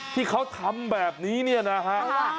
ที่เขาทำแบบนี้นะฮะ